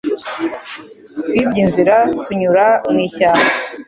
Twibye inzira tunyura mu ishyamba.